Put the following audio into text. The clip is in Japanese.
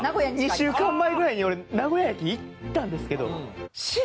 ２週間前ぐらいに俺名古屋駅行ったんですけど。